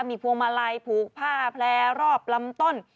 มีพวงมาลัยผูกผ้าแผลรอบลำต้น